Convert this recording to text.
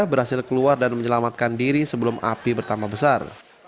berhasil keluar dan menyelamatkan diri sebelum api bertambah besar